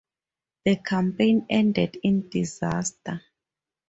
The campaign ended in disaster.